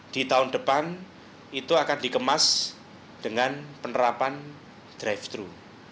di tahun depan itu akan dikemas dengan penerapan drive thru